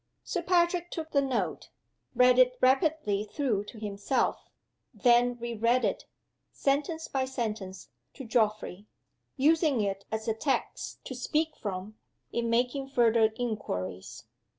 Sir Patrick took the note read it rapidly through to himself then re read it, sentence by sentence, to Geoffrey; using it as a text to speak from, in making further inquiries.